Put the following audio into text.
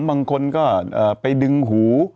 บางคนก็ไปดึงหู